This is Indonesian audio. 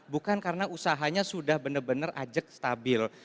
bukan karena usahanya sudah benar benar ajak stabil